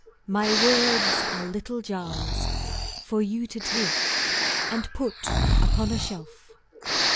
My words are little jars For you to take and put upon a shelf.